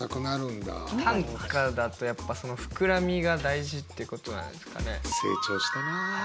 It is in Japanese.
短歌だとやっぱその膨らみが大事ってことなんですかね。